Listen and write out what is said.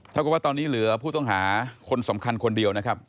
กับว่าตอนนี้เหลือผู้ต้องหาคนสำคัญคนเดียวนะครับ